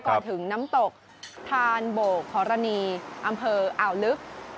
ก่อนถึงน้ำตกทานโบกขอรณีอำเภออ่าวลึก